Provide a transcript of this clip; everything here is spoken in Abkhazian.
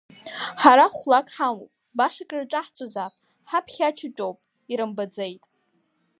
Ҳара хә-лак ҳамоуп, баша крырҿаҳҵозаап, ҳаԥхьа ача тәоуп, ирымбаӡеит.